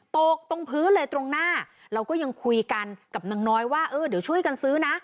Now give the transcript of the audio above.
ตกตรงพื้นเลยตรงหน้าเราก็ยังคุยกันกับนางน้อยว่าเออเดี๋ยวช่วยกันซื้อนะ